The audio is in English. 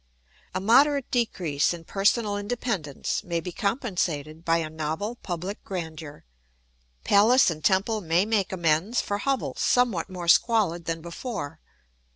A moderate decrease in personal independence may be compensated by a novel public grandeur; palace and temple may make amends for hovels somewhat more squalid than before.